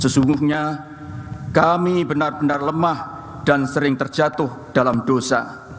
sesungguhnya kami benar benar lemah dan sering terjatuh dalam dosa